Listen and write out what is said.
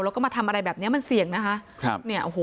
แล้วก็มาทำอะไรแบบนี้มันเสี่ยงนะคะ